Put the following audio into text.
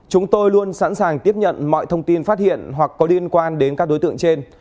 chúng tôi luôn sẵn sàng tiếp nhận mọi thông tin phát hiện hoặc có liên quan đến các đối tượng trên